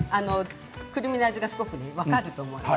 くるみの味がすごく分かると思います。